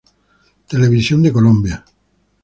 Televisión de Colombia.